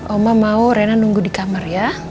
oma mau rena nunggu di kamar ya